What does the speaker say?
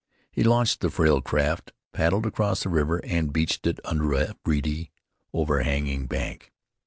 He launched the frail craft, paddled across the river and beached it under a reedy, over hanging bank.